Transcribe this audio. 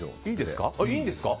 いいんですか？